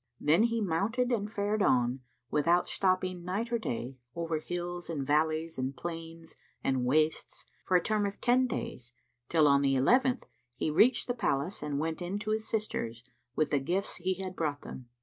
Then he mounted and fared on, without stopping night or day, over hills and valleys and plains and wastes for a term of ten days till, on the eleventh, he reached the palace and went in to his sisters, with the gifts he had brought them.